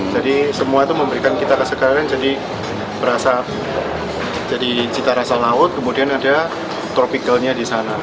jadi semua itu memberikan kita kesegaran jadi berasa jadi cita rasa laut kemudian ada tropicalnya di sana